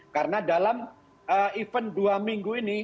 karena dalam event dua minggu ini